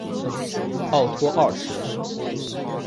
奥托二世。